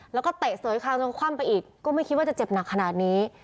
แล้วก็เตะเสยคาวจนคว่ำไปอีกก็ไม่คิดว่าจะเจ็บหนักขนาดนี้